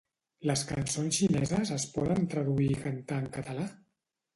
Les cançons xineses es poden traduir i cantar en català?